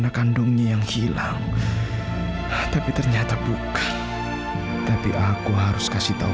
kamu ngapain disini ada pularas disitu